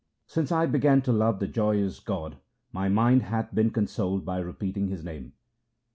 Since I began to love the joyous God, my mind hath been consoled by repeating His name.